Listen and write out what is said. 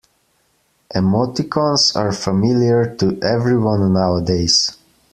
Emoticons are familiar to everyone nowadays.